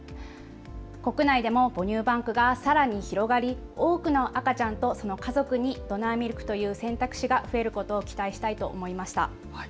国内でも母乳バンクがさらに広がり、多くの赤ちゃんとその家族にドナーミルクという選択肢が増えることを期待したいと思いました。